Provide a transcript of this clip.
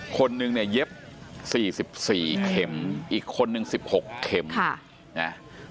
คนหนึ่งเนี่ยเย็บสี่สิบสี่เข็มอีกคนหนึ่งสิบหกเข็มค่ะเนี่ย